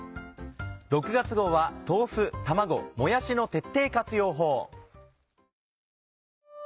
６月号は豆腐卵もやしの徹底活用法。